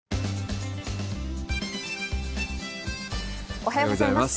おはようございます。